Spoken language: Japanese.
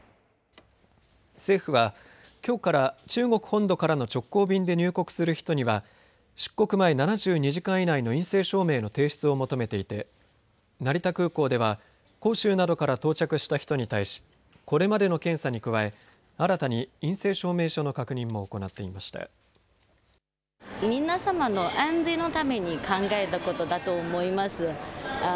政府は、きょうから中国本土からの直行便で入国する人には出国前７２時間以内の陰性証明書の提出を求めていて成田空港では杭州などから到着した人に対しこれまでの検査に加え新たに陰性証明書の確認も行っていました。